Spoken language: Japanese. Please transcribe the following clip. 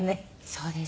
そうですね。